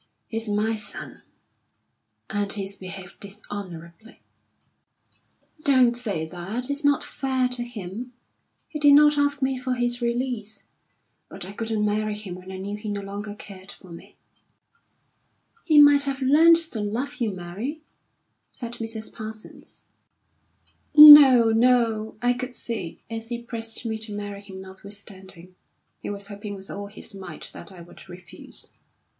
"He's my son, and he's behaved dishonourably." "Don't say that. It's not fair to him. He did not ask me for his release. But I couldn't marry him when I knew he no longer cared for me." "He might have learned to love you, Mary," said Mrs. Parsons. "No, no! I could see, as he pressed me to marry him notwithstanding, he was hoping with all his might that I would refuse.